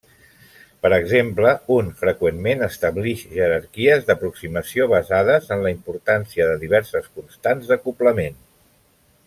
Per exemple, un freqüentment establix jerarquies d'aproximació basades en la importància de diverses constants d'acoblament.